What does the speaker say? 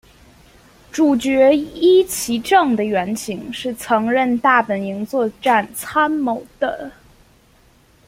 主角壹岐正的原型是曾任大本营作战参谋的。